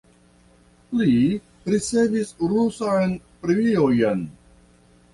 Li ricevis rusan premiojn.